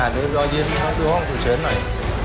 เดี๋ยวรอยินลองดูห้องฉุกเฉินหน่อย